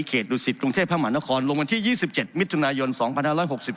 เขตดุสิตรุงเทพมหานครลงมาที่๒๗วิทยุนาส์ยนต์๒๕๖๔